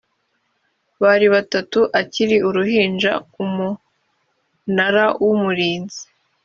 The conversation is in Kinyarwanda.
bari batatu akiri uruhinja umunara w’umurinzi